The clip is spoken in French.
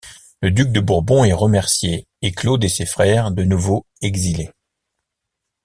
Le duc de Bourbon est remercié et Claude et ses frères de nouveau exilés.